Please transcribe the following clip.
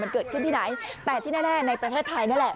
มันเกิดขึ้นที่ไหนแต่ที่แน่ในประเทศไทยนั่นแหละ